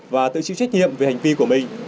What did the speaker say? và tự chịu trách nhiệm về hành vi của mình